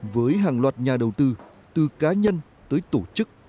với hàng loạt nhà đầu tư từ cá nhân tới tổ chức